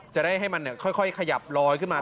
จะได้ให้มันค่อยขยับลอยขึ้นมา